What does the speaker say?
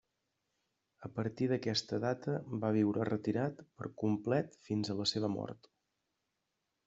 A partir d'aquesta data va viure retirat per complet fins a la seva mort.